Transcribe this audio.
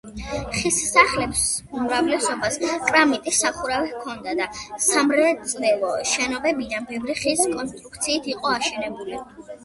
ხის სახლების უმრავლესობას კრამიტის სახურავი ჰქონდა და სამრეწველო შენობებიდან ბევრი ხის კონსტრუქციით იყო აშენებული.